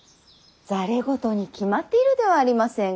ざれ言に決まっているではありませんか。